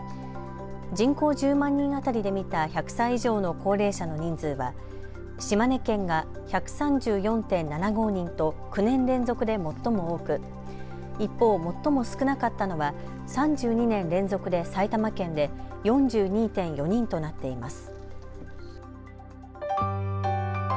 人口１０万人当たりで見た１００歳以上の高齢者の人数は島根県が１３４．７５人と９年連続で最も多く一方、最も少なかったのは３２年連続で埼玉県で４２．４人となっています。